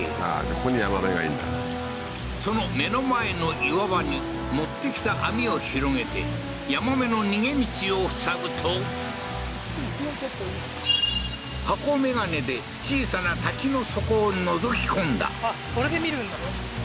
ここにヤマメがいんだその目の前の岩場に持ってきた網を広げてヤマメの逃げ道を塞ぐと箱めがねで小さな滝の底をのぞき込んだあっこれで見るんだ